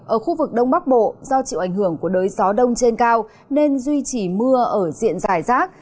ở khu vực đông bắc bộ do chịu ảnh hưởng của đới gió đông trên cao nên duy trì mưa ở diện dài rác